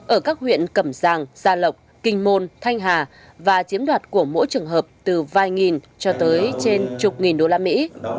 ở các huyện cẩm giang gia lộc kinh môn thanh hà và chiếm đoạt của mỗi trường hợp từ vài nghìn cho tới trên chục nghìn đô la mỹ